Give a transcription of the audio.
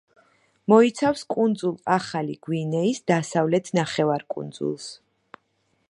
მოიცავს კუნძულ ახალი გვინეის დასავლეთ ნახევარკუნძულს.